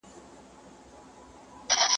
¬ په غم کي، د انا غم غيم.